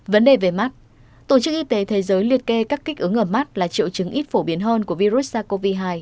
vấn đề về mắt tổ chức y tế thế giới liệt kê các kích ứng ở mắt là triệu chứng ít phổ biến hơn của virus sars cov hai